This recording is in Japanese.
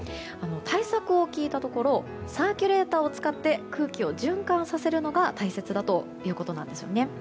対策を聞いたところサーキュレーターを使って空気を循環させるのが大切だということなんです。